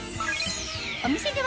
お店では